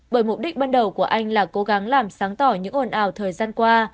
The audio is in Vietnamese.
bởi mục đích ban đầu của anh là cố gắng làm sáng tỏ những ồn ào thời gian qua